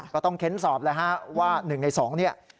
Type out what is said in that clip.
ก็ต้องเค้นสอบแล้วฮะว่า๑ใน๒เนี่ย